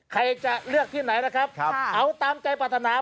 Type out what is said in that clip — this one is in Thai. ใครจะเลือกที่ไหนนะครับเอาตามใจปรารถนา